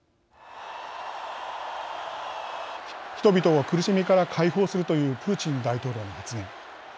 人々を苦しみから解放するというプーチン大統領の発言。